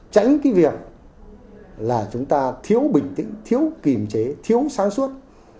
tránh cái việc là chúng ta thiếu bình tĩnh thiếu kìm chế thiếu sáng suốt